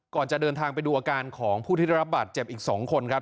จะเดินทางไปดูอาการของผู้ที่ได้รับบาดเจ็บอีก๒คนครับ